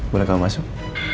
boleh kamu masuk